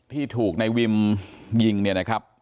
ที่ถูกนายวิมยิงเนี่ยนะครับ